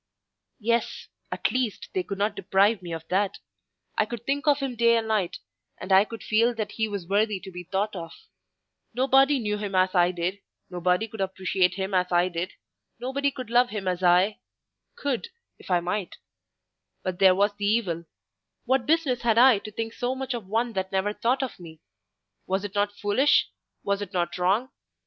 Yes, at least, they could not deprive me of that: I could think of him day and night; and I could feel that he was worthy to be thought of. Nobody knew him as I did; nobody could appreciate him as I did; nobody could love him as I—could, if I might: but there was the evil. What business had I to think so much of one that never thought of me? Was it not foolish? was it not wrong?